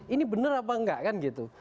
ini benar apa enggak kan gitu